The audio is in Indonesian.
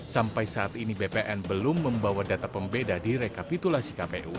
sampai saat ini bpn belum membawa data pembeda di rekapitulasi kpu